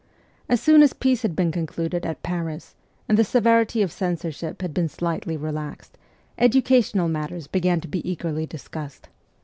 As soon as peace had been concluded at Paris, and the severity of censorship had been slightly relaxed, educa tional matters began to be eagerly discussed.